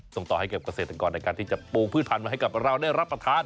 ส่งต่อให้กับเกษตรกรในการที่จะปลูกพืชพันธุ์มาให้กับเราได้รับประทาน